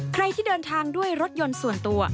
ใครที่เดินทางด้วยรถยนต์ส่วนตัว